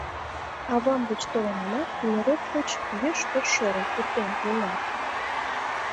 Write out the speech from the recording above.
— Авам деч толынамат, нӧреп гыч йӱштӧ шӧрым пуртен йӱынам.